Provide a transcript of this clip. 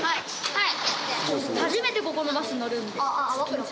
はい！